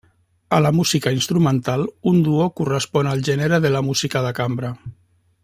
A la música instrumental, un duo correspon al gènere de la música de cambra.